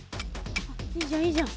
いいじゃんいいじゃん。